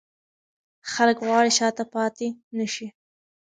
خلک غواړي شاته پاتې نه شي.